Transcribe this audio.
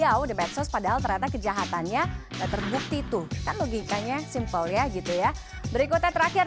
jadi semua tahun setelah hal ini disediakan